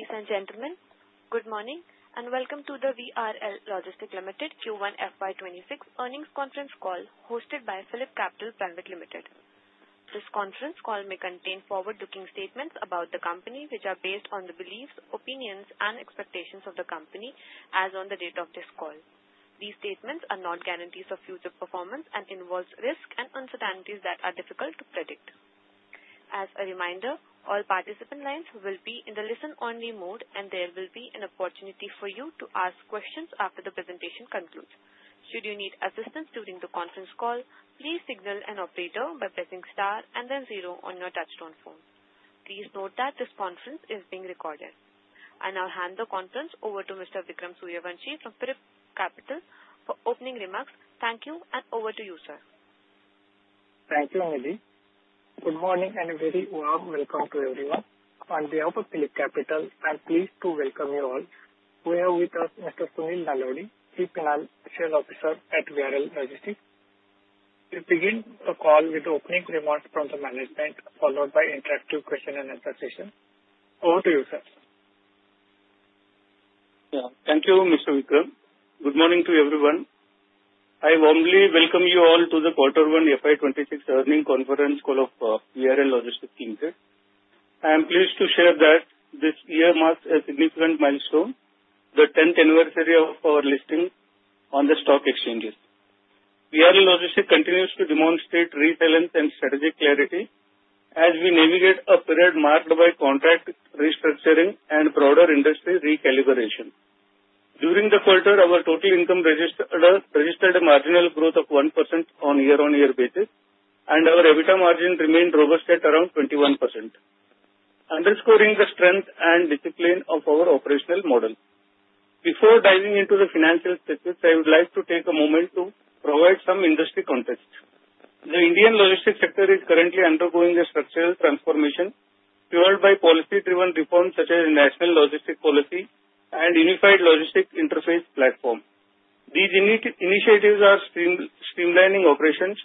Ladies and gentlemen, good morning and welcome to the VRL Logistics Limited Q1 FY 2026 earnings conference call hosted by PhillipCapital (India) Private Limited. This conference call may contain forward-looking statements about the company which are based on the beliefs, opinions, and expectations of the company as on the date of this call. These statements are not guarantees of future performance and involve risks and uncertainties that are difficult to predict. As a reminder, all participant lines will be in the listen-only mode and there will be an opportunity for you to ask questions after the presentation concludes. Should you need assistance during the conference call, please signal an operator by pressing star and then zero on your touch-tone phone. Please note that this conference is being recorded. I now hand the conference over to Mr. Vikram Suryavanshi from PhillipCapital for opening remarks. Thank you and over to you, sir. Thank you, Nidhi. Good morning and a very warm welcome to everyone. On behalf of PhillipCapital, I'm pleased to welcome you all. We have with us Mr. Sunil Nalavadi, Chief Financial Officer at VRL Logistics. We'll begin the call with opening remarks from the management, followed by interactive question and answer session. Over to you, sir. Yeah, thank you, Mr. Vikram. Good morning to everyone. I warmly welcome you all to the Quarter One FY 2026 earnings conference call of VRL Logistics Limited. I am pleased to share that this year marks a significant milestone, the 10th anniversary of our listing on the stock exchanges. VRL Logistics continues to demonstrate resilience and strategic clarity as we navigate a period marked by contract restructuring and broader industry recalibration. During the quarter, our total income registered a marginal growth of 1% on year-on-year basis, and our EBITDA margin remained robust at around 21%, underscoring the strength and discipline of our operational model. Before diving into the financial status, I would like to take a moment to provide some industry context. The Indian logistics sector is currently undergoing a structural transformation fueled by policy-driven reforms such as National Logistics Policy and Unified Logistics Interface Platform. These initiatives are streamlining operations,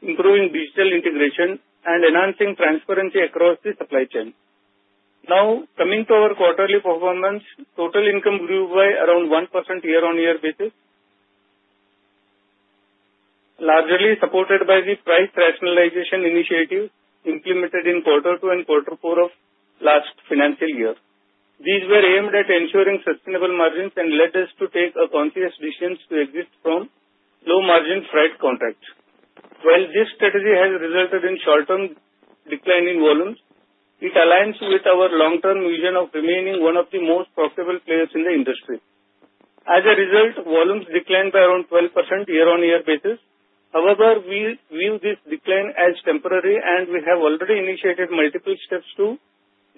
improving digital integration, and enhancing transparency across the supply chain. Now, coming to our quarterly performance, total income grew by around 1% year-on-year basis, largely supported by the price rationalization initiative implemented in Q2 and Q4 of last financial year. These were aimed at ensuring sustainable margins and led us to take a conscious decision to exit from low-margin freight contracts. While this strategy has resulted in short-term decline in volumes, it aligns with our long-term vision of remaining one of the most profitable players in the industry. As a result, volumes declined by around 12% year-on-year basis. However, we view this decline as temporary, and we have already initiated multiple steps to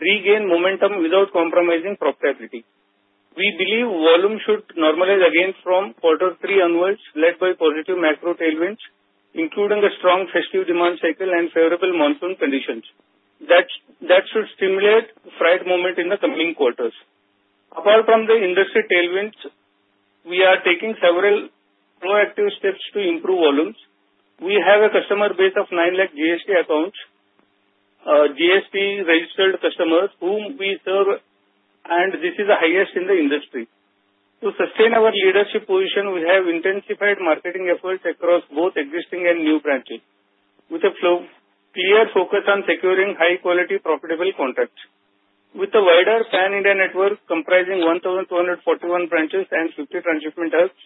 regain momentum without compromising profitability. We believe volumes should normalize again from Q3 onwards, led by positive macro tailwinds, including a strong festive demand cycle and favorable monsoon conditions. That should stimulate freight momentum in the coming quarters. Apart from the industry tailwinds, we are taking several proactive steps to improve volumes. We have a customer base of nine lakh GST accounts, GST-registered customers whom we serve, and this is the highest in the industry. To sustain our leadership position, we have intensified marketing efforts across both existing and new branches, with a clear focus on securing high-quality, profitable contracts. With a wider pan-India network comprising 1,241 branches and 50 transshipment hubs,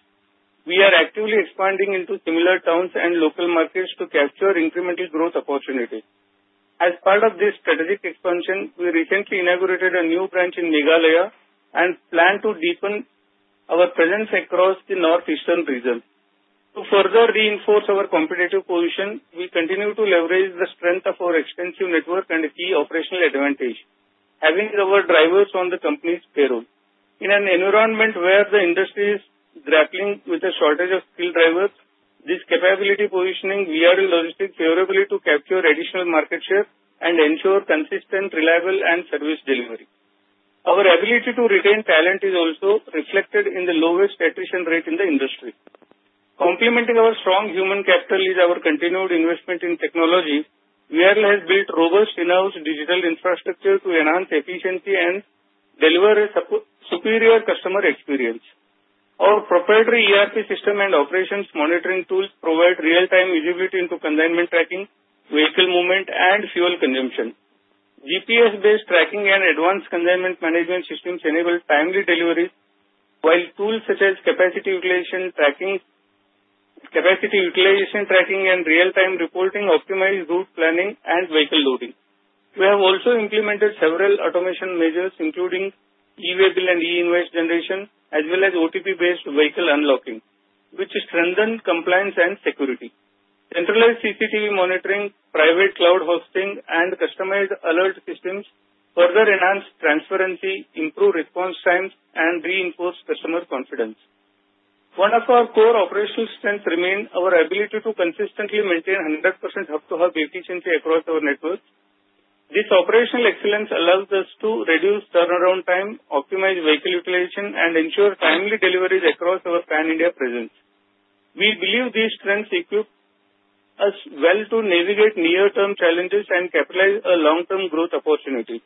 we are actively expanding into similar towns and local markets to capture incremental growth opportunities. As part of this strategic expansion, we recently inaugurated a new branch in Meghalaya and plan to deepen our presence across the northeastern region. To further reinforce our competitive position, we continue to leverage the strength of our extensive network and key operational advantage, having our drivers on the company's payroll. In an environment where the industry is grappling with a shortage of skilled drivers, this capability positioning VRL Logistics favorably to capture additional market share and ensure consistent, reliable, and service delivery. Our ability to retain talent is also reflected in the lowest attrition rate in the industry. Complementing our strong human capital is our continued investment in technology. VRL has built robust in-house digital infrastructure to enhance efficiency and deliver a superior customer experience. Our proprietary ERP system and operations monitoring tools provide real-time visibility into consignment tracking, vehicle movement, and fuel consumption. GPS-based tracking and advanced consignment management systems enable timely deliveries, while tools such as capacity utilization tracking and real-time reporting optimize route planning and vehicle loading. We have also implemented several automation measures, including e-way bill and e-invoice generation, as well as OTP-based vehicle unlocking, which strengthen compliance and security. Centralized CCTV monitoring, private cloud hosting, and customized alert systems further enhance transparency, improve response times, and reinforce customer confidence. One of our core operational strengths remains our ability to consistently maintain 100% hub-to-hub efficiency across our network. This operational excellence allows us to reduce turnaround time, optimize vehicle utilization, and ensure timely deliveries across our pan-India presence. We believe these strengths equip us well to navigate near-term challenges and capitalize on long-term growth opportunities.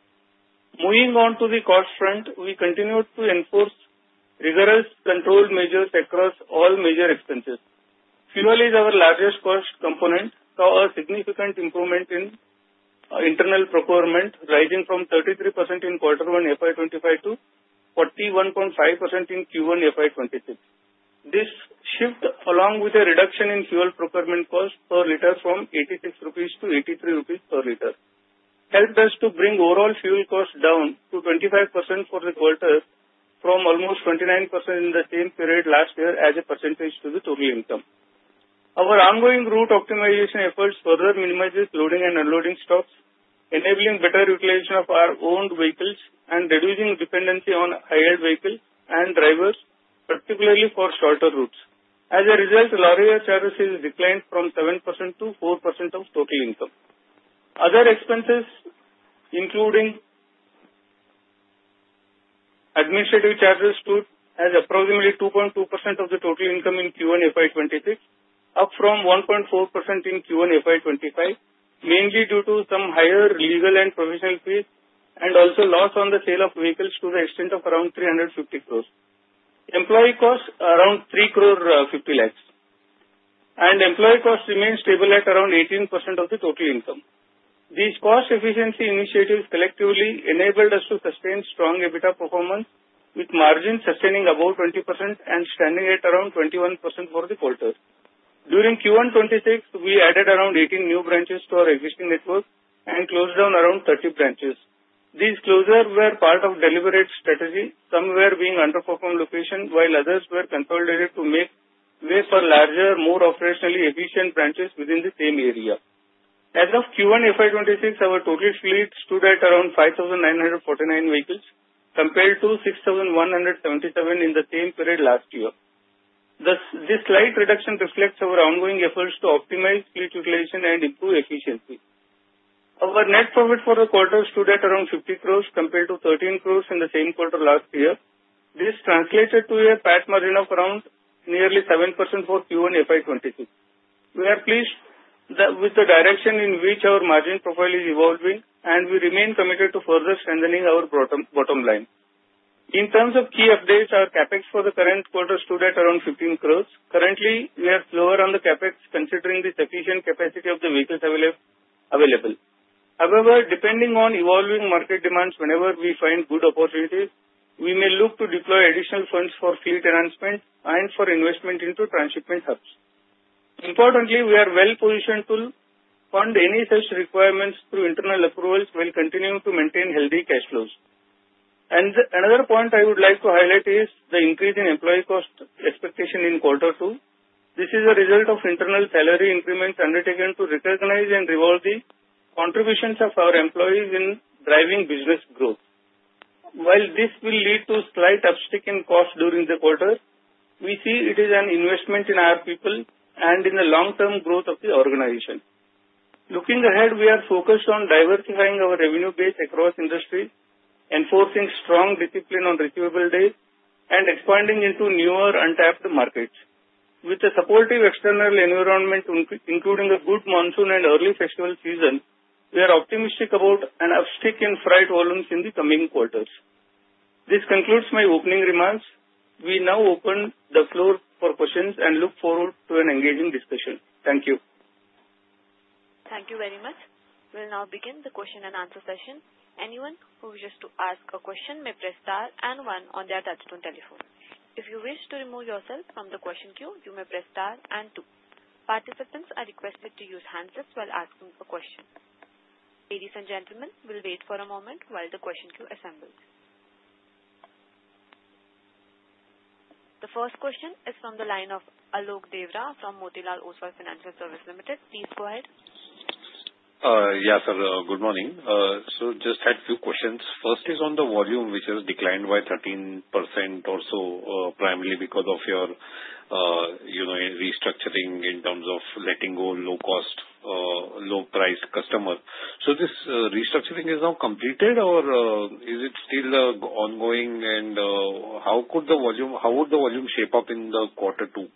Moving on to the cost front, we continue to enforce rigorous control measures across all major expenses. Fuel is our largest cost component, saw a significant improvement in internal procurement, rising from 33% in Q1 FY 2025 to 41.5% in Q1 FY 2026. This shift, along with a reduction in fuel procurement cost per liter from 86 rupees to 83 rupees per liter, helped us to bring overall fuel cost down to 25% for the quarter, from almost 29% in the same period last year as a percentage to the total income. Our ongoing route optimization efforts further minimize loading and unloading stops, enabling better utilization of our own vehicles and reducing dependency on hired vehicles and drivers, particularly for shorter routes. As a result, lorry hire charges have declined from 7% to 4% of total income. Other expenses, including administrative charges, stood as approximately 2.2% of the total income in Q1 FY 2026, up from 1.4% in Q1 FY 2025, mainly due to some higher legal and professional fees and also loss on the sale of vehicles to the extent of around 350 crores. Employee costs around 3 crore 50 lakhs, and employee costs remain stable at around 18% of the total income. These cost efficiency initiatives collectively enabled us to sustain strong EBITDA performance, with margins sustaining above 20% and standing at around 21% for the quarter. During Q1 26, we added around 18 new branches to our existing network and closed down around 30 branches. These closures were part of a deliberate strategy, some being underperformed locations while others were consolidated to make way for larger, more operationally efficient branches within the same area. As of Q1 FY 2026, our total fleet stood at around 5,949 vehicles, compared to 6,177 in the same period last year. This slight reduction reflects our ongoing efforts to optimize fleet utilization and improve efficiency. Our net profit for the quarter stood at around 50 crores, compared to 13 crores in the same quarter last year. This translated to a PAT margin of around nearly 7% for Q1 FY 2026. We are pleased with the direction in which our margin profile is evolving, and we remain committed to further strengthening our bottom line. In terms of key updates, our CapEx for the current quarter stood at around 15 crores. Currently, we are slower on the CapEx, considering the sufficient capacity of the vehicles available. However, depending on evolving market demands, whenever we find good opportunities, we may look to deploy additional funds for fleet enhancement and for investment into transshipment hubs. Importantly, we are well-positioned to fund any such requirements through internal accruals while continuing to maintain healthy cash flows. Another point I would like to highlight is the increase in employee cost expectation in Q2. This is a result of internal salary increments undertaken to recognize and reward the contributions of our employees in driving business growth. While this will lead to a slight uptick in costs during the quarter, we see it as an investment in our people and in the long-term growth of the organization. Looking ahead, we are focused on diversifying our revenue base across industries, enforcing strong discipline on receivables days, and expanding into newer untapped markets. With the supportive external environment, including a good monsoon and early festival season, we are optimistic about an uptick in freight volumes in the coming quarters. This concludes my opening remarks. We now open the floor for questions and look forward to an engaging discussion. Thank you. Thank you very much. We'll now begin the question and answer session. Anyone who wishes to ask a question may press star and one on their touch-tone telephone. If you wish to remove yourself from the question queue, you may press star and two. Participants are requested to use handsets while asking a question. Ladies and gentlemen, we'll wait for a moment while the question queue assembles. The first question is from the line of Alok Deora from Motilal Oswal Financial Services Limited. Please go ahead. Yes, sir. Good morning. So just had a few questions. First is on the volume, which has declined by 13% or so, primarily because of your restructuring in terms of letting go low-cost, low-priced customers. So this restructuring is now completed, or is it still ongoing? And how would the volume shape up in the Q2?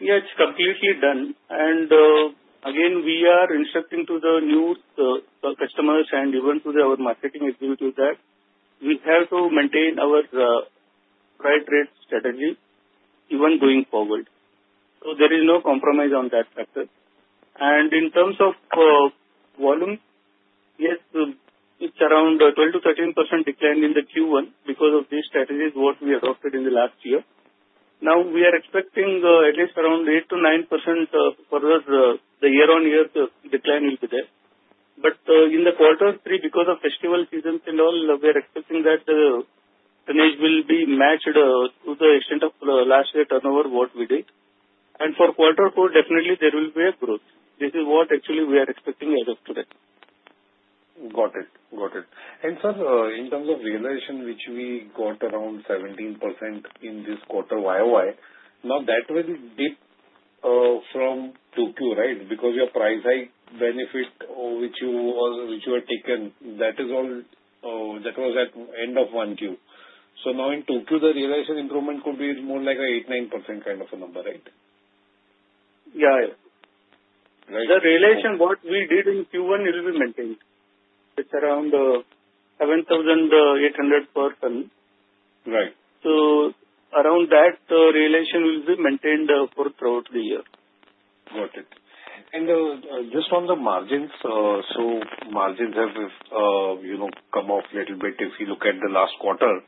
Yeah, it's completely done. And again, we are instructing to the new customers and even to our marketing executives that we have to maintain our freight rate strategy even going forward. So there is no compromise on that factor. And in terms of volume, yes, it's around 12%-13% decline in the Q1 because of these strategies what we adopted in the last year. Now, we are expecting at least around 8%-9% for the year-on-year decline will be there. But in the Q3, because of festival seasons and all, we are expecting that the tonnage will be matched to the extent of last year turnover what we did. And for Q4, definitely there will be a growth. This is what actually we are expecting as of today. Got it. Got it. And sir, in terms of realization, which we got around 17% in this quarter, why? Now, that was a dip from 2Q, right? Because your price hike benefit which you had taken, that was at the end of 1Q. So now in 2Q, the realization improvement could be more like an 8-9% kind of a number, right? Yeah. The realization what we did in Q1 will be maintained. It's around 7,800 per tonne. So around that, the realization will be maintained for throughout the year. Got it. And just on the margins, so margins have come off a little bit if you look at the last quarter.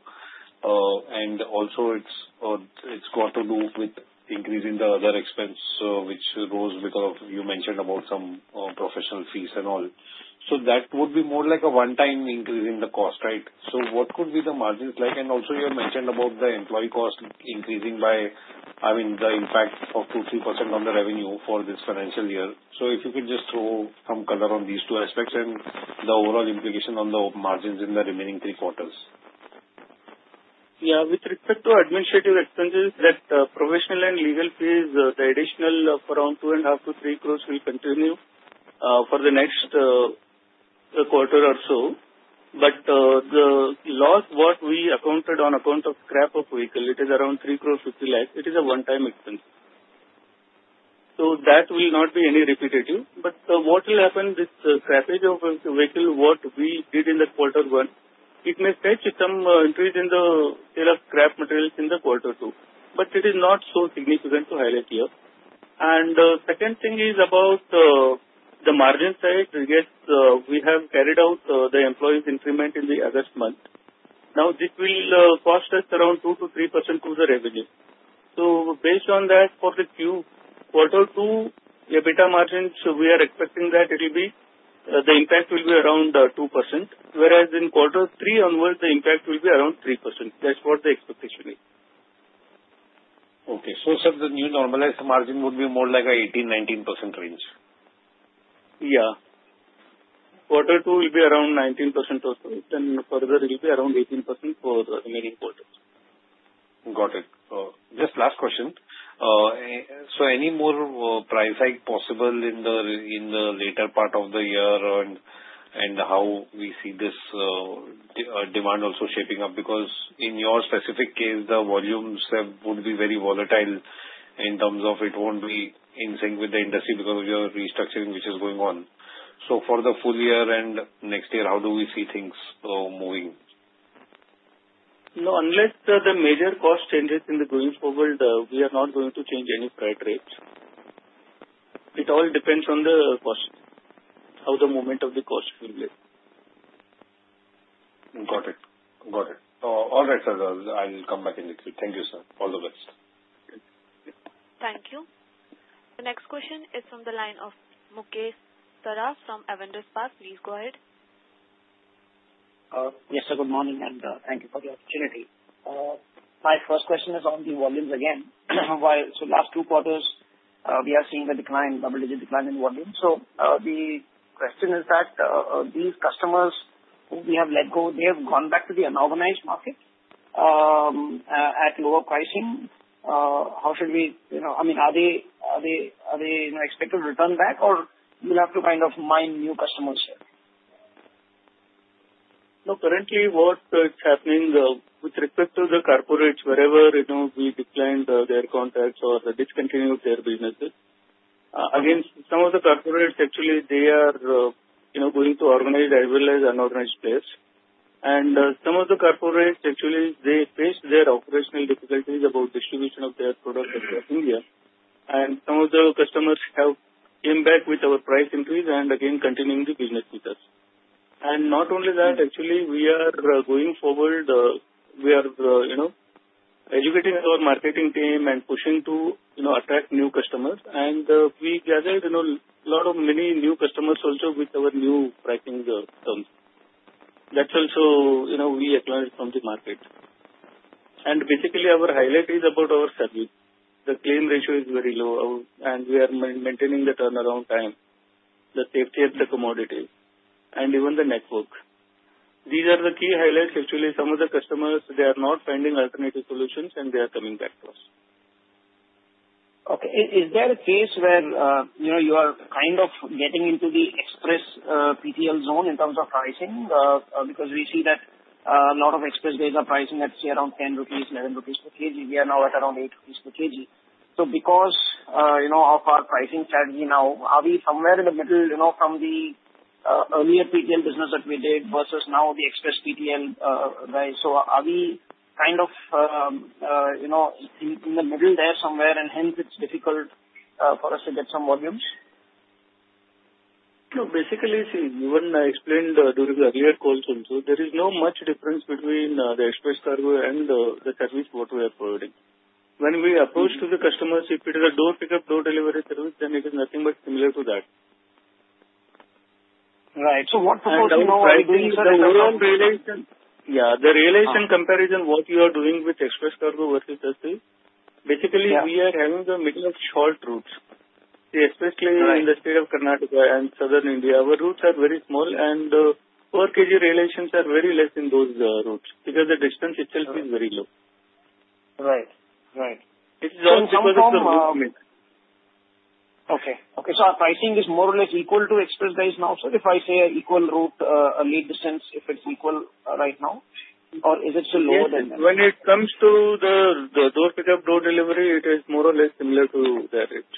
And also, it's got to do with increasing the other expense, which rose because you mentioned about some professional fees and all. So that would be more like a one-time increase in the cost, right? So what could be the margins like? And also, you mentioned about the employee cost increasing by, I mean, the impact of 2-3% on the revenue for this financial year. So if you could just throw some color on these two aspects and the overall implication on the margins in the remaining three quarters. Yeah. With respect to administrative expenses, the professional and legal fees, the additional of around 2.5-3 crores will continue for the next quarter or so. But the loss what we accounted on account of scrap of vehicle, it is around 3 crore 50 lakhs. It is a one-time expense. So that will not be any repetitive. But what will happen with the scrappage of the vehicle what we did in the Q1, it may touch some increase in the sale of scrap materials in the Q2. But it is not so significant to highlight here. And the second thing is about the margin side. We have carried out the employees' increment in the August. Now, this will cost us around 2%-3% of the revenue. So based on that, for the Q2 EBITDA margins, we are expecting that the impact will be around 2%, whereas in Q3 onwards, the impact will be around 3%. That's what the expectation is. Okay. So sir, the new normalized margin would be more like an 18%-19% range? Yeah. Q2 will be around 19% or so. Then further, it will be around 18% for the remaining quarters. Got it. Just last question. So any more price hike possible in the later part of the year and how we see this demand also shaping up? Because in your specific case, the volumes would be very volatile in terms of it won't be in sync with the industry because of your restructuring, which is going on. So for the full year and next year, how do we see things moving? No. Unless there are major cost changes going forward, we are not going to change any freight rates. It all depends on the cost, how the movement of the cost will be. Got it. Got it. All right, sir. I'll come back in a bit. Thank you, sir. All the best. Thank you. The next question is from the line of Mukesh Saraf from Avendus Spark. Please go ahead. Yes, sir. Good morning, and thank you for the opportunity. My first question is on the volumes again. So, last two quarters, we are seeing the decline, double-digit decline in volume. So the question is that these customers who we have let go, they have gone back to the unorganized market at lower pricing. How should we, I mean, are they expected to return back, or we'll have to kind of mine new customers here? No. Currently, what is happening with respect to the corporates, wherever we declined their contracts or discontinued their businesses, again, some of the corporates, actually, they are going to organized as well as unorganized players. And some of the corporates, actually, they faced their operational difficulties about distribution of their product across India. And some of the customers have come back with our price increase and again, continuing the business with us. And not only that, actually, we are going forward. We are educating our marketing team and pushing to attract new customers. And we gathered a lot of many new customers also with our new pricing terms. That's also we acquired from the market. And basically, our highlight is about our service. The claim ratio is very low, and we are maintaining the turnaround time, the safety of the commodities, and even the network. These are the key highlights. Actually, some of the customers, they are not finding alternative solutions, and they are coming back to us. Okay. Is there a case where you are kind of getting into the express PTL zone in terms of pricing? Because we see that a lot of express players are pricing at around 10 rupees, 11 rupees per kg. We are now at around 8 rupees per kg. So because of our pricing strategy now, are we somewhere in the middle from the earlier PTL business that we did versus now the express PTL guys? So are we kind of in the middle there somewhere, and hence it's difficult for us to get some volumes? No. Basically, see, even I explained during the earlier calls also, there is no much difference between the express cargo and the service what we are providing. When we approach to the customers, if it is a door pickup, door delivery service, then it is nothing but similar to that. Right. So what does the realization? Yeah. The realization comparison what you are doing with express cargo versus SC, basically, we are having the majority of short routes. Especially in the state of Karnataka and southern India, our routes are very small, and per kg realization are very less in those routes because the distance itself is very low. Right. Right. It is only because it's a route mix. Okay. So our pricing is more or less equal to express guys now, sir? If I say an equal route, a long distance, if it's equal right now, or is it still lower than that? When it comes to the door pickup, door delivery, it is more or less similar to that range.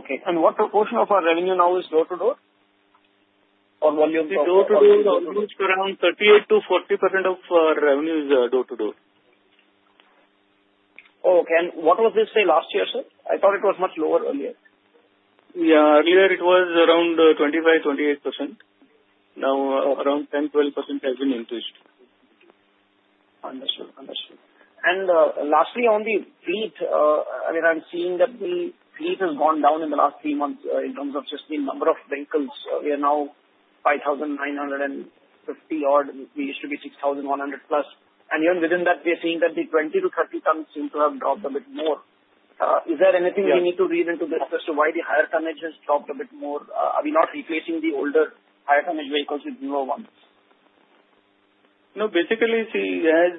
Okay. And what proportion of our revenue now is door to door? Or volume? The door-to-door reached around 38%-40% of our revenue is door-to-door. Oh, okay. And what was this say last year, sir? I thought it was much lower earlier. Yeah. Earlier, it was around 25%-28%. Now, around 10%-12% has been increased. Understood. Understood. And lastly, on the fleet, I mean, I'm seeing that the fleet has gone down in the last three months in terms of just the number of vehicles. We are now 5,950 odd. We used to be 6,100 plus. And even within that, we are seeing that the 20-30 tons seem to have dropped a bit more. Is there anything we need to read into this as to why the higher tonnage has dropped a bit more? Are we not replacing the older higher tonnage vehicles with newer ones? No. Basically, see, as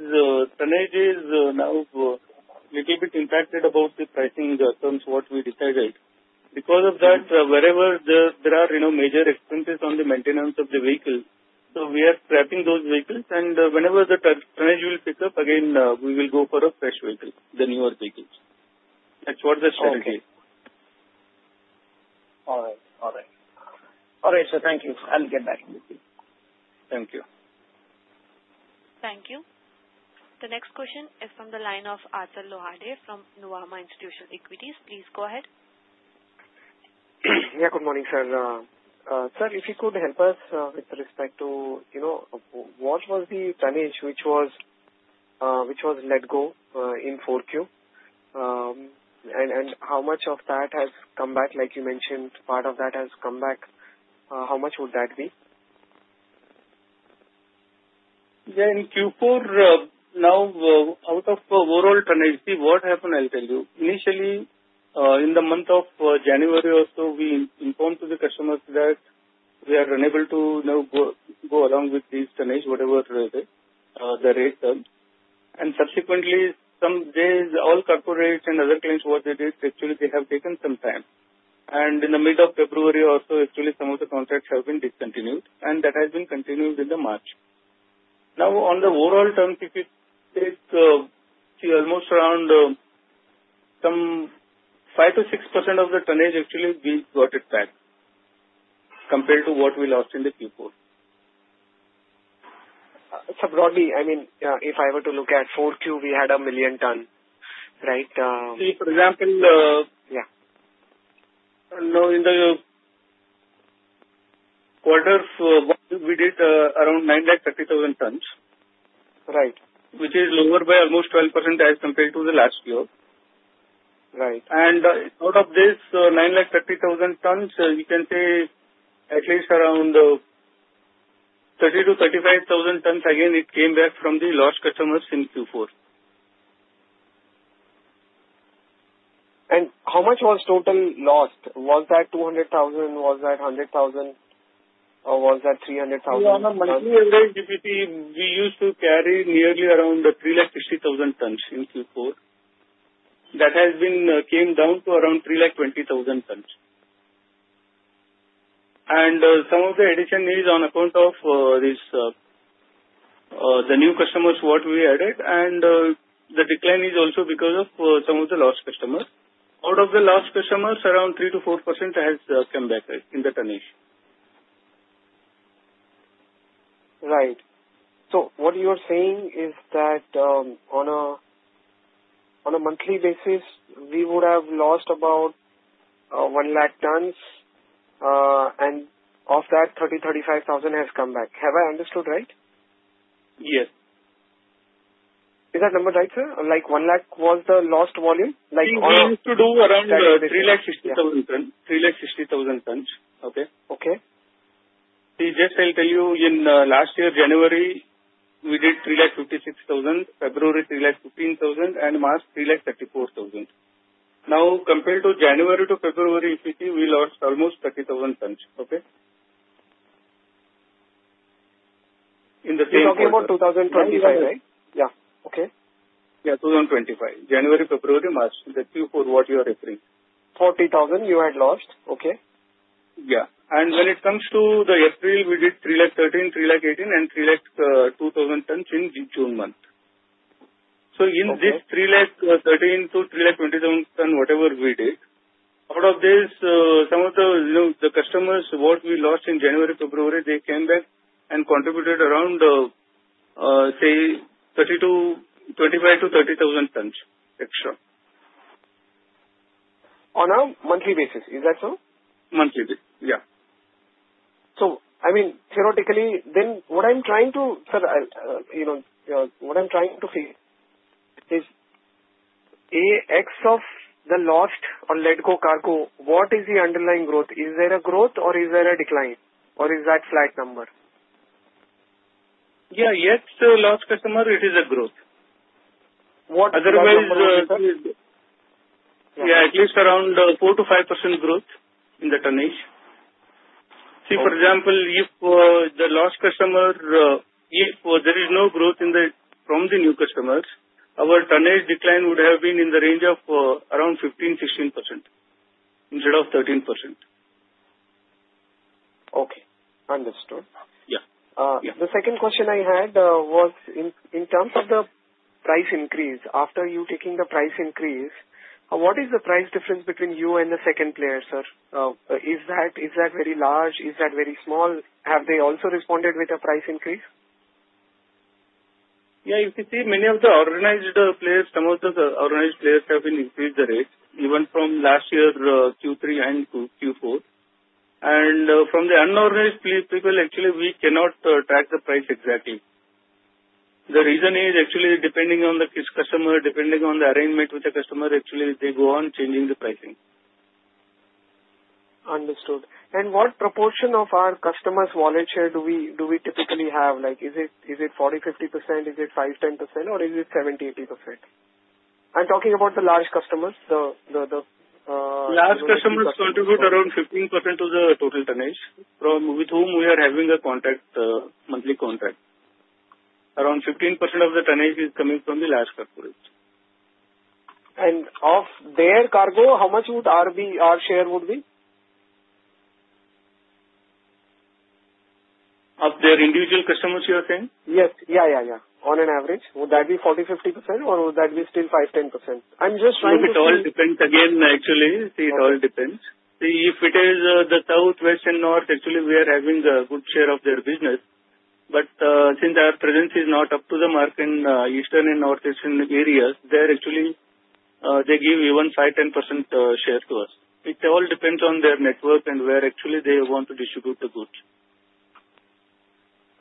tonnage is now a little bit impacted about the pricing terms what we decided. Because of that, wherever there are major expenses on the maintenance of the vehicle, so we are scrapping those vehicles. And whenever the tonnage will pick up again, we will go for a fresh vehicle, the newer vehicles. That's what the strategy is. All right. All right. All right, sir. Thank you. I'll get back in a bit. Thank you. Thank you. The next question is from the line of Achal Lohade from Nuvama Institutional Equities. Please go ahead. Yeah. Good morning, sir. Sir, if you could help us with respect to what was the tonnage which was let go in 4Q and how much of that has come back, like you mentioned, part of that has come back, how much would that be? Yeah. In Q4, now, out of overall tonnage, see, what happened, I'll tell you. Initially, in the month of January or so, we informed to the customers that we are unable to go along with this tonnage, whatever the rate terms. And subsequently, some days, all corporates and other clients what they did, actually, they have taken some time. And in the mid of February or so, actually, some of the contracts have been discontinued. And that has been continued in the March. Now, on the overall terms, if you take, see, almost around some 5%-6% of the tonnage, actually, we got it back compared to what we lost in the Q4. So broadly, I mean, if I were to look at 4Q, we had a million ton, right? See, for example, now in the quarter, we did around 930,000 tons, which is lower by almost 12% as compared to the last year, and out of this 930,000 tons, you can say at least around 30,000-35,000 tons, again, it came back from the lost customers in Q4. How much was total lost? Was that 200,000? Was that 100,000? Or was that 300,000? Yeah. On a monthly average, we used to carry nearly around 360,000 tons in Q4. That has came down to around 320,000 tons. And some of the addition is on account of the new customers what we added. And the decline is also because of some of the lost customers. Out of the lost customers, around 3 to 4% has come back in the tonnage. Right. So what you are saying is that on a monthly basis, we would have lost about 100,000 tons and of that 30,000 tons - 35,000 tons has come back. Have I understood right? Yes. Is that number right, sir? like 100,000 tons was the lost volume? See we used to do around 360,000 tons. 360,000 tons. Okay? Okay. See, just I'll tell you, in last year, January, we did 356,000. February, 315,000. And March, 334,000. Now, compared to January to February, if you see, we lost almost 30,000 tons. Okay? In the same quarter. You're talking about 2025, right? 2025, right? Yeah. Okay. Yeah. 2025. January, February, March, in Q4 what you are referring. 40,000 you had lost. Okay. Yeah, and when it comes to the April, we did 313,000 tons, 318,000 tons in May, and 302,000 tons in June month. So, in this, 313,000 tons to 320,000 tons, whatever we did, out of this, some of the customers what we lost in January, February, they came back and contributed around say, 25,000 tons to 30,000 tons extra. On a monthly basis. Is that so? Monthly basis. Yeah. I mean, theoretically, then sir, what I'm trying to figure is, ex of the lost or let-go cargo, what is the underlying growth? Is there a growth or is there a decline? Or is that flat number? Yeah. Yes, lost customer, it is a growth. What percentage? Otherwise, yeah, at least around 4% to 5% growth in the tonnage. See, for example, if the lost customer, if there is no growth from the new customers, our tonnage decline would have been in the range of around 15%-16% instead of 13%. Okay. Understood. Yeah. The second question I had was in terms of the price increase, after you taking the price increase, what is the price difference between you and the second player, sir? Is that very large? Is that very small? Have they also responded with a price increase? Yeah. You can see many of the organized players. Some of the organized players have been increased the rate, even from last year, Q3 and Q4. From the unorganized people, actually, we cannot track the price exactly. The reason is actually depending on the customer, depending on the arrangement with the customer, actually, they go on changing the pricing. Understood. And what proportion of our customers' wallet share do we typically have? Like, is it 40%-50%? Is it 5%-10%? Or is it 70%-80%? I'm talking about the large customers. Large customers contribute around 15% of the total tonnage with whom we are having a monthly contract. Around 15% of the tonnage is coming from the large corporates. Of their cargo, how much would our share be? Of their individual customers, you are saying? Yes. Yeah, yeah, yeah. On average, would that be 40%-50%? Or would that be still 5%-10%? I'm just trying to figure. See, it all depends, actually. If it is the South, West, and North, actually, we are having a good share of their business. But since our presence is not up to the market in Eastern and Northeastern areas, they actually give even 5-10% share to us. It all depends on their network and where actually they want to distribute the goods.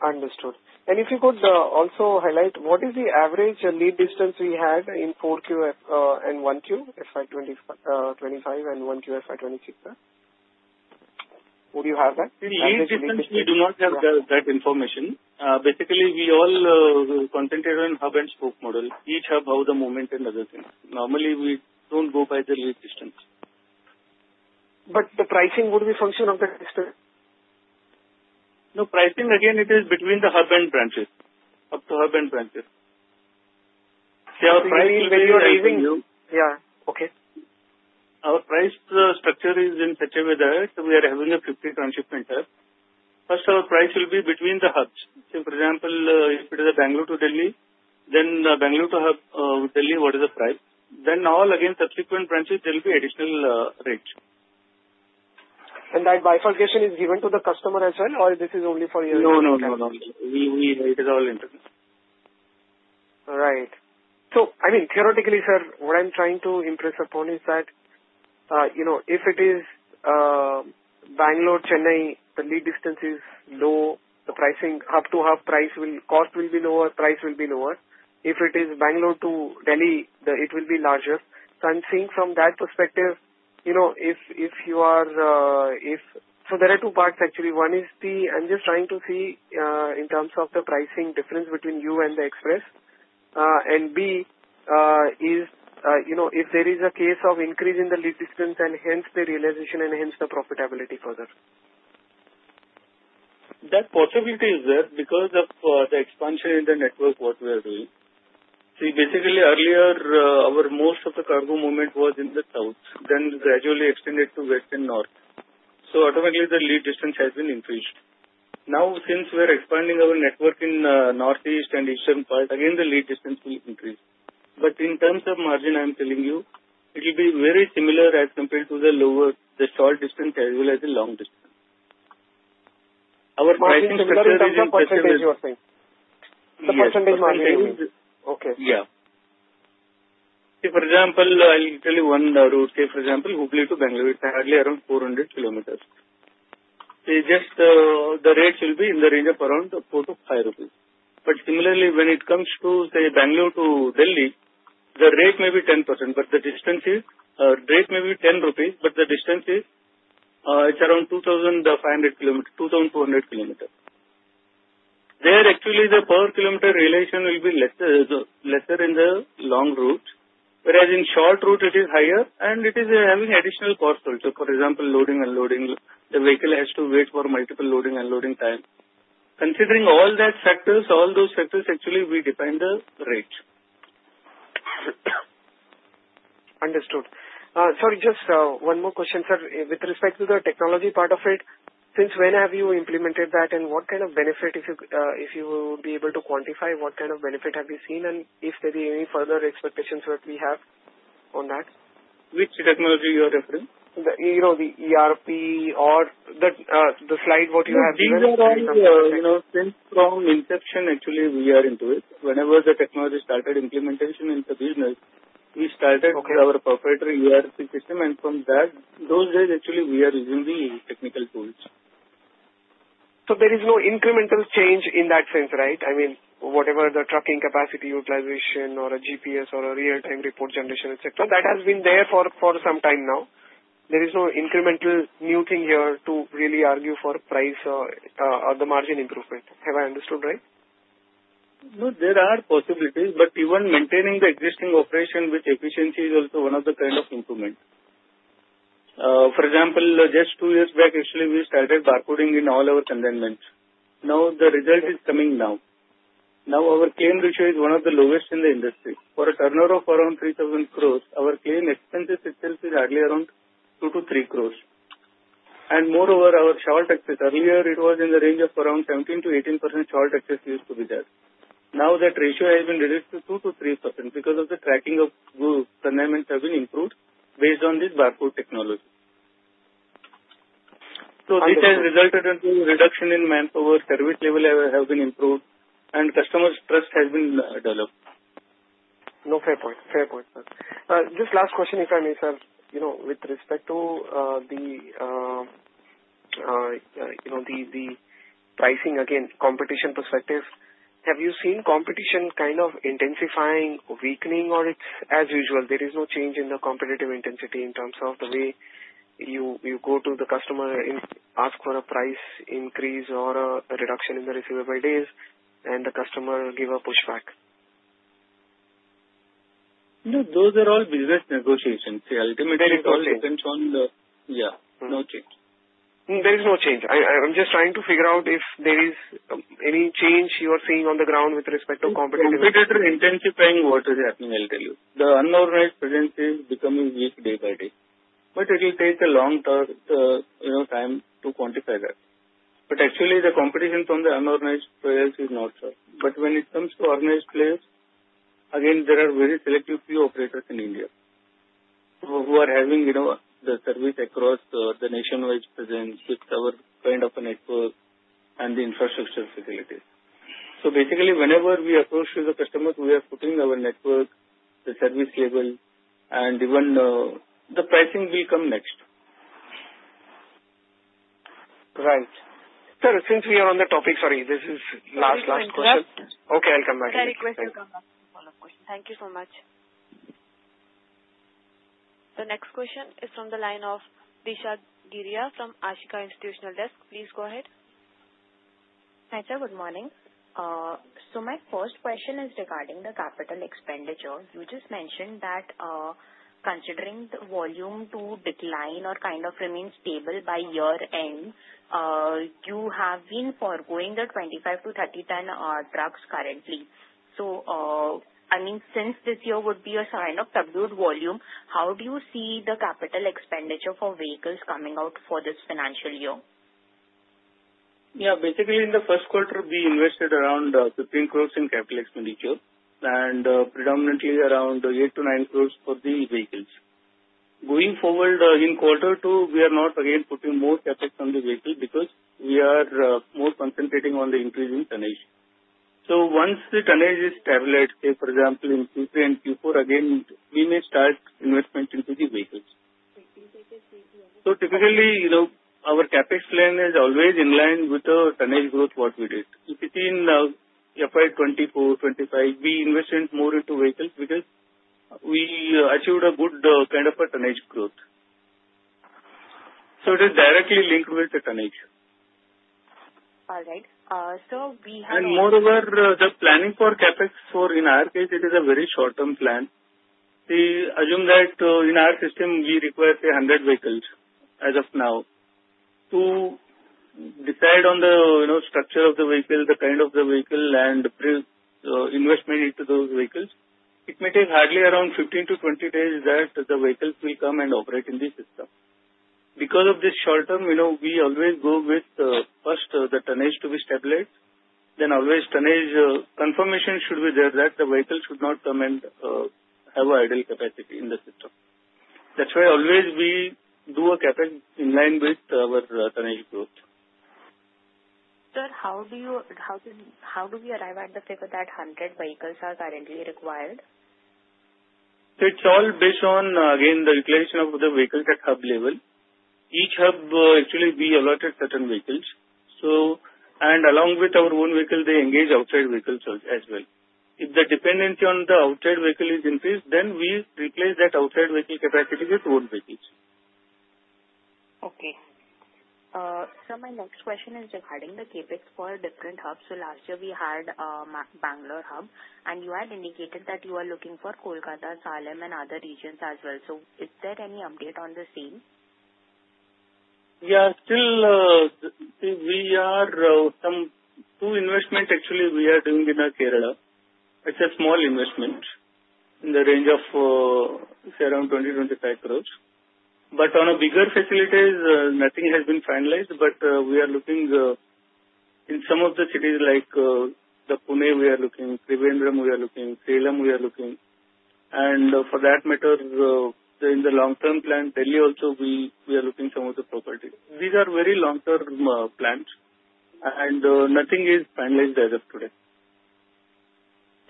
Understood. And if you could also highlight, what is the average lead distance we had in 4Q and 1Q, FY 2025 and 1Q FY 2026? Would you have that? See, lead distance, we do not have that information. Basically, we all concentrate on hub and spoke model. Each hub, how the movement and other things. Normally, we don't go by the lead distance. But the pricing would be a function of the distance? No. Pricing, again, it is between the hub and branches, up to hub and branches. See, our price is very high. Yeah. Okay. Our price structure is in such a way that we are having a 50-transshipment hub. First, our price will be between the hubs. See, for example, if it is a Bengaluru to Delhi, then Bengaluru to Delhi, what is the price? Then all, again, subsequent branches, there will be additional rate. That bifurcation is given to the customer as well? Or this is only for your? No, no, no. It is all internal. Right. So I mean, theoretically, sir, what I'm trying to impress upon is that if it is Bangalore, Chennai, the lead distance is low, the pricing, hub to hub price will be lower, price will be lower. If it is Bangalore to Delhi, it will be larger, so I'm seeing from that perspective, if you are so there are two parts, actually. One is, I'm just trying to see in terms of the pricing difference between you and the express. And B is, if there is a case of increase in the lead distance and hence the realization and hence the profitability further. That possibility is there because of the expansion in the network what we are doing. See, basically, earlier, most of the cargo movement was in the South, then gradually extended to West and North. So automatically, the lead distance has been increased. Now, since we are expanding our network in Northeast and Eastern part, again, the lead distance will increase. But in terms of margin, I'm telling you, it will be very similar as compared to the short distance as well as the long distance. Our pricing structure is in percentage. The percentage you are saying? The percentage margin? Yeah. See, for example, I'll tell you one route. See, for example, Hubballi to Bengaluru, it's hardly around 400 km. See, just the rates will be in the range of around 4-5 rupees. But similarly, when it comes to, say, Bengaluru to Delhi, the rate may be 10%, but the distance is rate may be 10 rupees, but the distance is around 2,500 km, 2,200 km. There, actually, the per kilometer realization will be lesser in the long route, whereas in short route, it is higher, and it is having additional cost also. For example, loading and unloading, the vehicle has to wait for multiple loading and unloading time. Considering all those factors, actually, we define the rate. Understood. Sorry, just one more question, sir. With respect to the technology part of it, since when have you implemented that, and what kind of benefit, if you would be able to quantify, what kind of benefit have you seen, and if there are any further expectations that we have on that? Which technology you are referring? The ERP or the slide what you have given? See, these are all since from inception, actually, we are into it. Whenever the technology started implementation in the business, we started with our proprietary ERP system, and from that, those days, actually, we are using the technical tools. So there is no incremental change in that sense, right? I mean, whatever the trucking capacity utilization or a GPS or a real-time report generation, etc., that has been there for some time now. There is no incremental new thing here to really argue for price or the margin improvement. Have I understood right? No, there are possibilities, but even maintaining the existing operation with efficiency is also one of the kind of improvement. For example, just two years back, actually, we started barcoding in all our consignments. Now, the result is coming now. Now, our claim ratio is one of the lowest in the industry. For a turnover of around 3,000 crores, our claim expenses itself is hardly around 2-3 crores. And moreover, our shortages, earlier, it was in the range of around 17%-18% shortages used to be there. Now, that ratio has been reduced to 2%-3% because of the tracking of goods consignments have been improved based on this barcode technology. So this has resulted in reduction in manpower, service level have been improved, and customer's trust has been developed. No, fair point. Fair point, sir. Just last question, if I may, sir, with respect to the pricing, again, competition perspective, have you seen competition kind of intensifying, weakening, or it's as usual? There is no change in the competitive intensity in terms of the way you go to the customer, ask for a price increase or a reduction in the receivable days, and the customer give a pushback? No, those are all business negotiations. See, ultimately, it all depends on the, yeah. No change. There is no change. I'm just trying to figure out if there is any change you are seeing on the ground with respect to competitive? Competitor intensifying what is happening, I'll tell you. The unorganized presence is becoming weak day by day. But it will take a long time to quantify that. But actually, the competition from the unorganized players is not sure. But when it comes to organized players, again, there are very selective few operators in India who are having the service across the nationwide presence with our kind of a network and the infrastructure facilities. So basically, whenever we approach with the customers, we are putting our network, the service level, and even the pricing will come next. Right. Sir, since we are on the topic, sorry, this is last, last question. Okay, I'll come back again. Sorry, question comes after follow-up question. Thank you so much. The next question is from the line of Disha Giria from Ashika Institutional Desk. Please go ahead. Hi, sir. Good morning. So my first question is regarding the capital expenditure. You just mentioned that considering the volume to decline or kind of remain stable by year-end, you have been forgoing the 25-30-ton trucks currently. So I mean, since this year would be a kind of tough volume, how do you see the capital expenditure for vehicles coming out for this financial year? Yeah. Basically, in the first quarter, we invested around 15 crores in capital expenditure and predominantly around 8-9 crores for the vehicles. Going forward in quarter two, we are not again putting more CapEx on the vehicle because we are more concentrating on the increase in tonnage. So once the tonnage is tabulated, say, for example, in Q3 and Q4, again, we may start investment into the vehicles. So typically, our CapEx plan is always in line with the tonnage growth what we did. If it's in FY24, FY 2025, we invested more into vehicles because we achieved a good kind of a tonnage growth. So it is directly linked with the tonnage. All right. So we have. Moreover, the planning for CapEx, in our case, it is a very short-term plan. See, assume that in our system, we require, say, 100 vehicles as of now. To decide on the structure of the vehicle, the kind of the vehicle, and investment into those vehicles, it may take hardly around 15-20 days that the vehicles will come and operate in the system. Because of this short-term, we always go with first the tonnage to be tabulated, then always tonnage confirmation should be there that the vehicle should not come and have an idle capacity in the system. That's why always we do a CapEx in line with our tonnage growth. Sir, how do we arrive at the figure that 100 vehicles are currently required? So it's all based on, again, the declaration of the vehicle at hub level. Each hub, actually, we allotted certain vehicles. And along with our own vehicle, they engage outside vehicles as well. If the dependency on the outside vehicle is increased, then we replace that outside vehicle capacity with own vehicles. Okay. So my next question is regarding the CapEx for different hubs. So last year, we had Bangalore hub, and you had indicated that you are looking for Kolkata, Salem, and other regions as well. So is there any update on the same? Yeah. Still, we are doing some new investment, actually, we are doing in Kerala. It's a small investment in the range of, say, around 20-25 crores. But on bigger facilities, nothing has been finalized, but we are looking in some of the cities like Pune, we are looking, Trivandrum, we are looking, Salem, we are looking. And for that matter, in the long-term plan, Delhi also, we are looking some of the property. These are very long-term plans, and nothing is finalized as of today.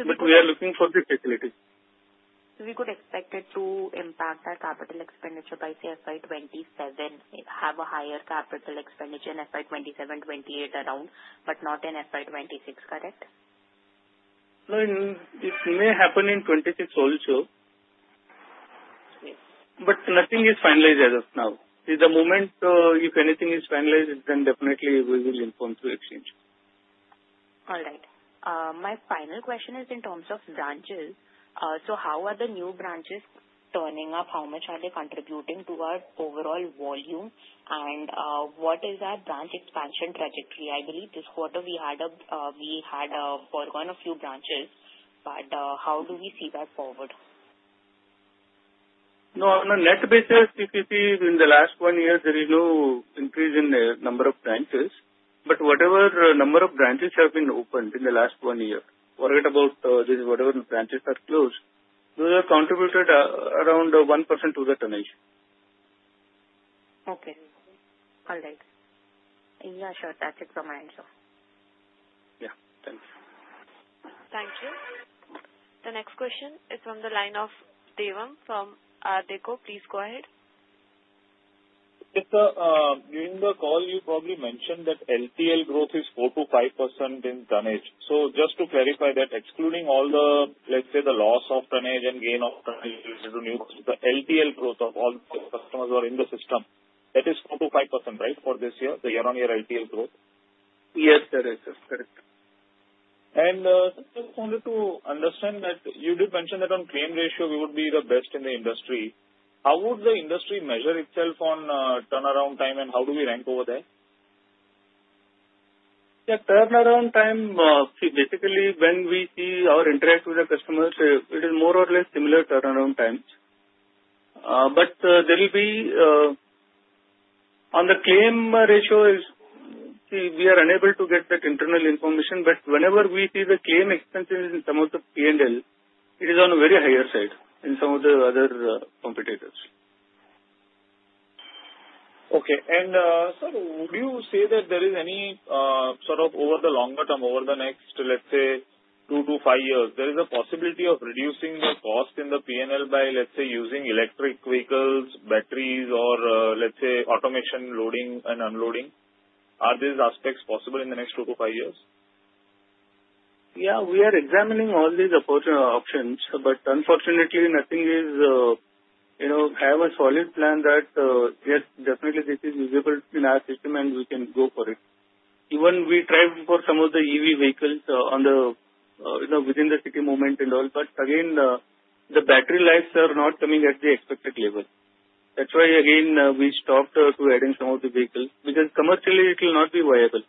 But we are looking for the facilities. So, we could expect it to impact our capital expenditure by, say, FY 2027, have a higher capital expenditure in FY 2027, FY 2028 around, but not in FY 2026, correct? No, it may happen in 2026 also. But nothing is finalized as of now. At the moment, if anything is finalized, then definitely we will inform through exchange. All right. My final question is in terms of branches. So how are the new branches turning up? How much are they contributing to our overall volume? And what is our branch expansion trajectory? I believe this quarter we had foregone a few branches, but how do we see that forward? No, on a net basis, if you see, in the last one year, there is no increase in the number of branches. But whatever number of branches have been opened in the last one year, forget about whatever branches are closed, those have contributed around 1% to the tonnage. Okay. All right. Yeah, sure. That's it from my end, sir. Yeah. Thank you. Thank you. The next question is from the line of Devam from ARDEKO. Please go ahead. During the call, you probably mentioned that LTL growth is 4%-5% in tonnage. So just to clarify that, excluding all the, let's say, the loss of tonnage and gain of tonnage, the LTL growth of all the customers who are in the system, that is 4%-5%, right, for this year, the year-on-year LTL growth? Yes, that is correct. And just wanted to understand that you did mention that on claim ratio, we would be the best in the industry. How would the industry measure itself on turnaround time, and how do we rank over there? Yeah. Turnaround time, see, basically, when we see our interact with the customers, it is more or less similar turnaround times. But there will be on the claim ratio. See, we are unable to get that internal information, but whenever we see the claim expenses in some of the P&L, it is on a very higher side in some of the other competitors. Okay. And sir, would you say that there is any sort of over the longer term, over the next, let's say, two to five years, there is a possibility of reducing the cost in the P&L by, let's say, using electric vehicles, batteries, or, let's say, automation loading and unloading? Are these aspects possible in the next two to five years? Yeah. We are examining all these options, but unfortunately, nothing is have a solid plan that, yes, definitely, this is usable in our system, and we can go for it. Even we tried for some of the EV vehicles within the city movement and all, but again, the battery life is not coming at the expected level. That's why, again, we stopped to adding some of the vehicles because commercially, it will not be viable.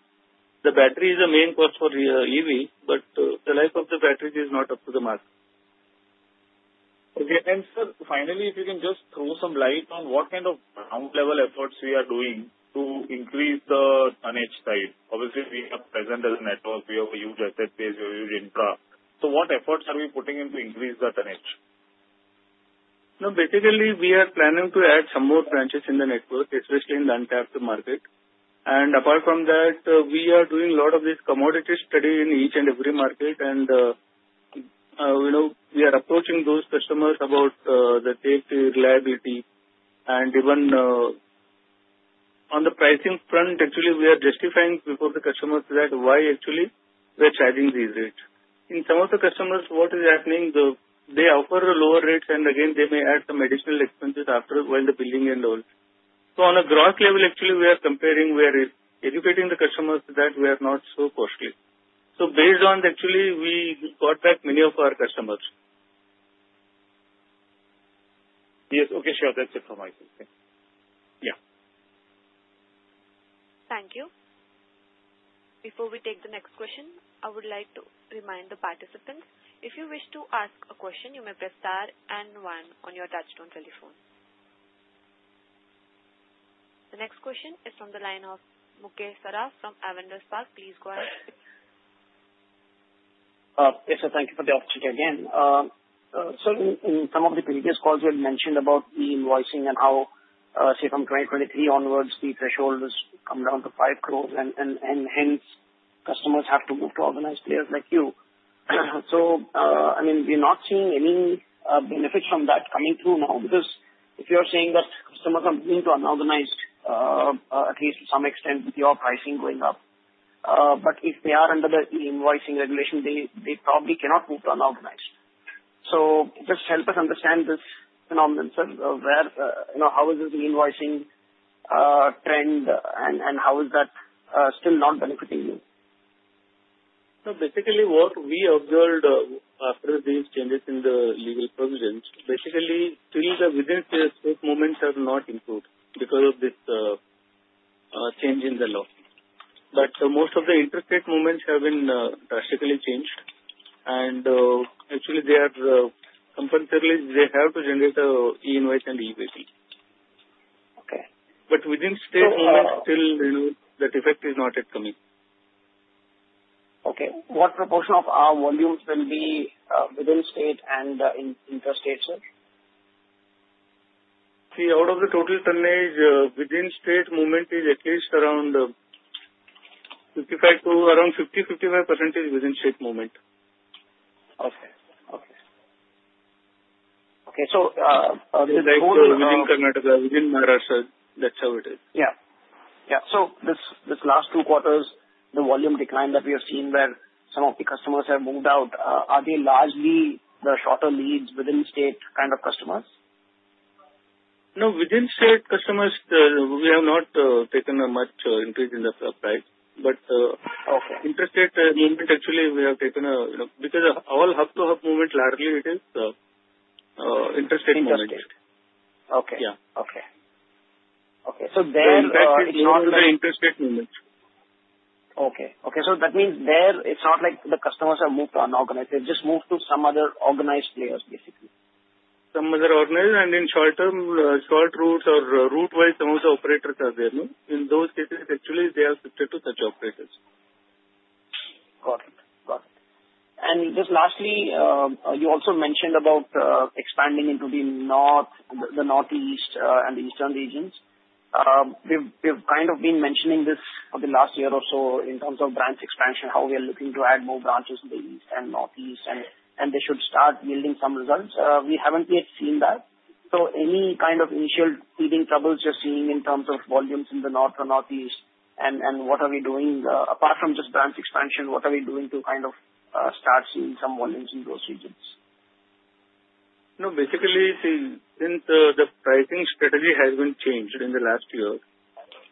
The battery is the main cost for EV, but the life of the battery is not up to the mark. Okay. And sir, finally, if you can just throw some light on what kind of ground-level efforts we are doing to increase the tonnage side. Obviously, we are present as a network. We have a huge asset base. We have a huge infra. So what efforts are we putting in to increase the tonnage? No, basically, we are planning to add some more branches in the network, especially in the untapped market. Apart from that, we are doing a lot of this commodity study in each and every market, and we are approaching those customers about the safety, reliability, and even on the pricing front. Actually, we are justifying before the customers that why actually we are charging these rates. In some of the customers, what is happening, they offer lower rates, and again, they may add some additional expenses after while the billing and all. So on a gross level, actually, we are comparing. We are educating the customers that we are not so costly. So based on, actually, we got back many of our customers. Yes. Okay. Sure. That's it from my side. Thank you. Thank you. Before we take the next question, I would like to remind the participants, if you wish to ask a question, you may press star and one on your touchtone telephone. The next question is from the line of Mukesh Saraf from Avendus Spark. Please go ahead. Yes, sir. Thank you for the opportunity again. Sir, in some of the previous calls, you had mentioned about the invoicing and how, say, from 2023 onwards, the threshold has come down to 5 crores, and hence, customers have to move to organized players like you. So I mean, we're not seeing any benefits from that coming through now because if you're saying that customers are moving to unorganized, at least to some extent, with your pricing going up, but if they are under the invoicing regulation, they probably cannot move to unorganized. So just help us understand this phenomenon, sir. How is the invoicing trend, and how is that still not benefiting you? So basically, what we observed after these changes in the legal provisions, basically, till the within-state movements have not improved because of this change in the law. But most of the interstate movements have been drastically changed, and actually, they are compulsorily they have to generate an E-Invoice and E-Way Bill. But within-state movements, still, that effect is not yet coming. Okay. What proportion of our volumes will be within-state and interstate, sir? See, out of the total tonnage, within-state movement is at least around 55% to around 50%, 55% is within-state movement. Okay. So this whole. Within Karnataka, within Maharashtra, that's how it is. Yeah. Yeah. So this last two quarters, the volume decline that we have seen where some of the customers have moved out, are they largely the shorter lanes within-state kind of customers? No, within-state customers, we have not taken a much increase in the price, but interstate movement, actually, we have taken a because all hub-to-hub movement, largely, it is interstate movement. Interstate. Okay. So there. Interstate movement. So that means there, it's not like the customers have moved to unorganized. They've just moved to some other organized players, basically. Some other organized, and in short-term, short routes or route-wise, some of the operators are there. In those cases, actually, they have shifted to such operators. Got it. Got it. And just lastly, you also mentioned about expanding into the Northeast and eastern regions. We've kind of been mentioning this for the last year or so in terms of branch expansion, how we are looking to add more branches in the East and Northeast, and they should start yielding some results. We haven't yet seen that. So any kind of initial teething troubles you're seeing in terms of volumes in the North or Northeast, and what are we doing? Apart from just branch expansion, what are we doing to kind of start seeing some volumes in those regions? No, basically, since the pricing strategy has been changed in the last year,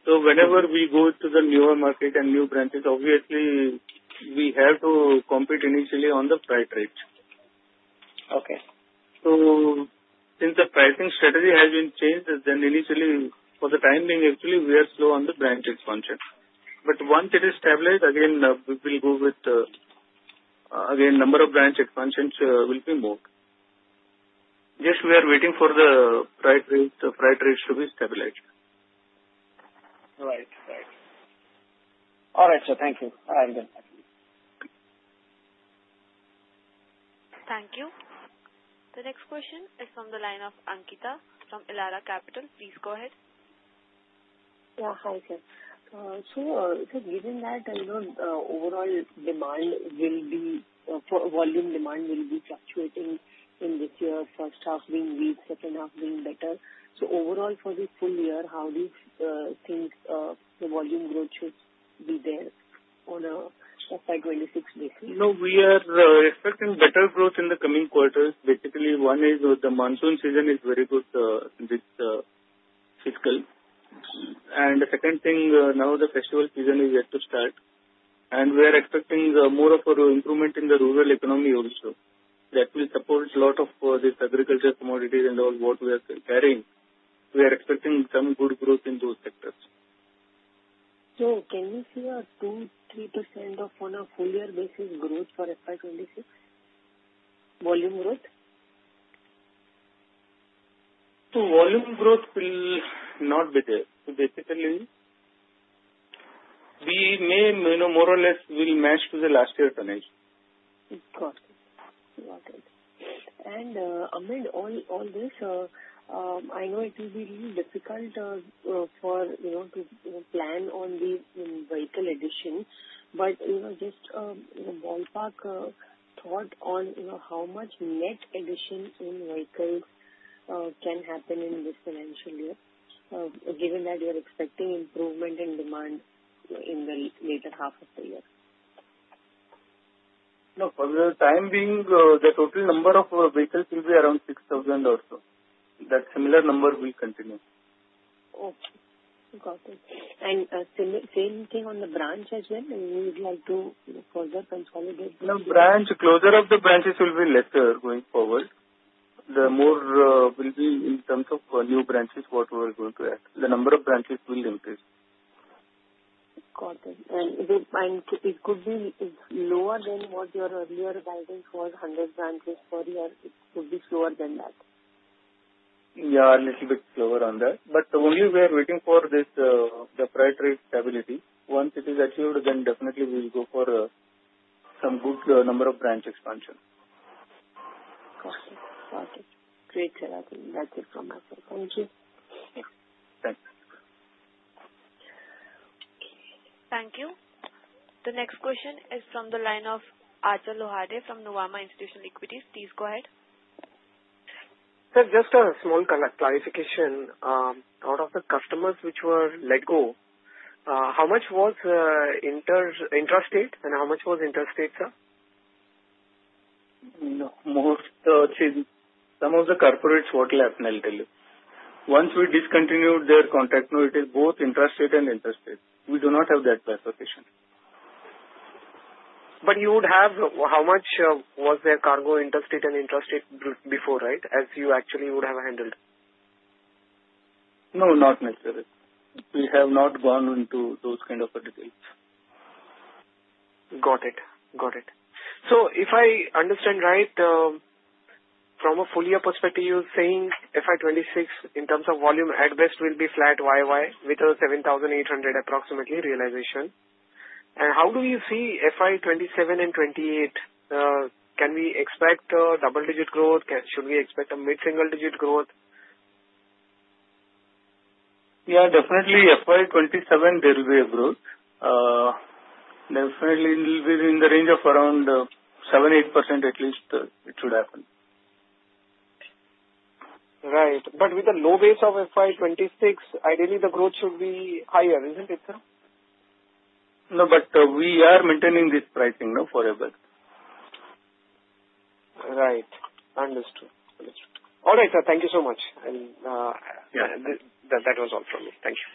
so whenever we go to the newer market and new branches, obviously, we have to compete initially on the freight rate. So, since the pricing strategy has been changed, then initially, for the time being, actually, we are slow on the branch expansion. But once it is stabilized, again, we will go with, again, a number of branch expansions will be moved. Just we are waiting for the freight rates to be stabilized. Right. Right. All right, sir. Thank you. All right. Good. Thank you. The next question is from the line of Ankita from Elara Capital. Please go ahead. Yeah. Hi, sir. So given that overall volume demand will be fluctuating in this year, first half being weak, second half being better, so overall for the full year, how do you think the volume growth should be there on a FY 2026 basis? No, we are expecting better growth in the coming quarters. Basically, one is the monsoon season is very good this fiscal, and the second thing, now the festival season is yet to start, and we are expecting more of an improvement in the rural economy also that will support a lot of these agriculture commodities and all what we are carrying. We are expecting some good growth in those sectors. So can you see a 2-3% off on a full-year basis growth for FY 2026 volume growth? So volume growth will not be there. So basically, we may more or less will match to the last year's tonnage. Got it. Got it. Amid all this, I know it will be really difficult for us to plan on the vehicle addition, but just a ballpark thought on how much net addition in vehicles can happen in this financial year, given that you are expecting improvement in demand in the later half of the year? No, for the time being, the total number of vehicles will be around 6,000 or so. That similar number will continue. Okay. Got it. And same thing on the branch as well? You would like to further consolidate? No, branch closure of the branches will be lesser going forward. The more will be in terms of new branches, what we are going to add. The number of branches will increase. Got it, and it could be lower than what your earlier guidance was, 100 branches per year? It could be slower than that? Yeah, a little bit slower on that. But only we are waiting for the freight rate stability. Once it is achieved, then definitely we will go for some good number of branch expansion. Got it. Got it. Great, sir. That's it from my side. Thank you. Thanks. Thank you. The next question is from the line of Achal Lohade from Nuvama Institutional Equities. Please go ahead. Sir, just a small clarification. Out of the customers which were let go, how much was intrastate and how much was interstate, sir? No. Most, actually, some of the corporates what will have multi-level. Once we discontinued their contract, now it is both intrastate and interstate. We do not have that clarification. But you would have how much was their cargo interstate and intrastate before, right, as you actually would have handled? No, not necessarily. We have not gone into those kinds of details. Got it. Got it. So, if I understand right, from a full-year perspective, you're saying FY 2026 in terms of volume at best will be flat YoY with a 7,800 approximately realization. And how do we see FY 2027 and 2028? Can we expect double-digit growth? Should we expect a mid-single-digit growth? Yeah. Definitely, FY27, there will be a growth. Definitely, it will be in the range of around 7%-8% at least it should happen. Right, but with the low base of FY 2026, ideally, the growth should be higher, isn't it, sir? No, but we are maintaining this pricing now forever. Right. Understood. Understood. All right, sir. Thank you so much. And that was all from me. Thank you.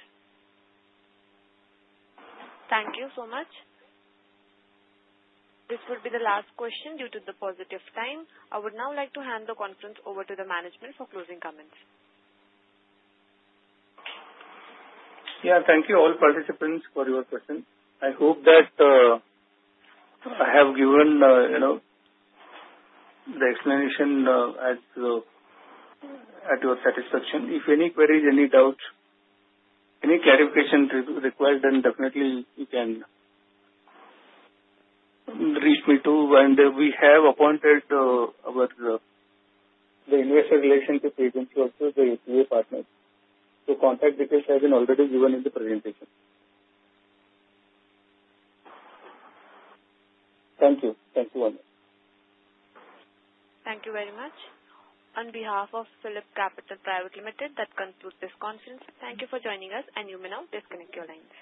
Thank you so much. This will be the last question due to time constraints. I would now like to hand the conference over to the management for closing comments. Yeah. Thank you, all participants, for your questions. I hope that I have given the explanation at your satisfaction. If any queries, any doubts, any clarification required, then definitely you can reach me too. And we have appointed the investor relationship agency of the SGA. So, contact details have been already given in the presentation. Thank you. Thank you very much. Thank you very much. On behalf of PhillipCapital (India) Private Limited, that concludes this conference. Thank you for joining us, and you may now disconnect your line.